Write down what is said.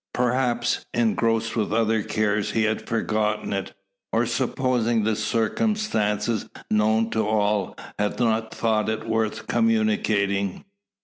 Perhaps, engrossed with other cares, he had forgotten it; or, supposing the circumstance known to all, had not thought it worth communicating.